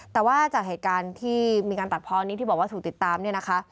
แต่ว่าจากเหตุการณ์ที่มีการตัดพอนี้ที่บอกว่าถูกติดตามเนี่ยนะคะ